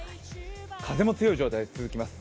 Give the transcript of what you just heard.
風も強い状態が続きます。